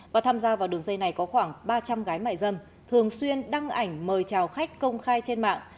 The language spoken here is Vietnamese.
và tham gia vào đường dây này có khoảng ba trăm linh gái mại dâm thường xuyên đăng ảnh mời chào khách công khai trên mạng